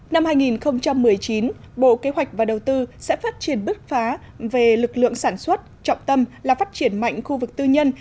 năm hai nghìn một mươi chín bộ kế hoạch và đầu tư sẽ phát triển bứt phá về lực lượng sản xuất trọng tâm là phát triển mạnh khu vực tư nhân